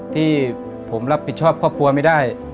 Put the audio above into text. ที่ผมรับผิดชอบครอบครัวไม่ได้